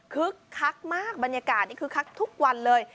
คึกคักมากบรรยากาศคึกคักทุกวันเลย